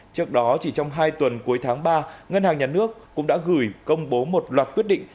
trước đó chỉ trong hai tuần cuối tháng ba ngân hàng nhà nước cũng đã gửi công bố một loạt quyết định